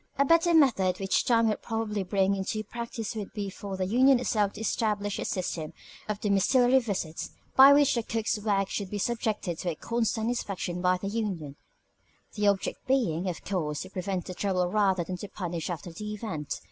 A better method which time would probably bring into practice would be for the union itself to establish a system of domiciliary visits, by which the cook's work should be subjected to a constant inspection by the union the object being, of course, to prevent trouble rather than to punish after the event.